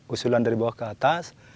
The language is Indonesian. usulan dari bawah ke atas